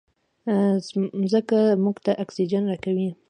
مځکه موږ ته اکسیجن راکوي.